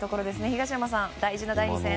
東山さん、大事な第２戦。